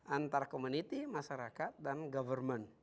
antara community masyarakat dan government